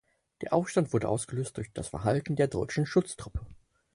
Der Aufstand wurde ausgelöst durch das Verhalten der deutschen Schutztruppe.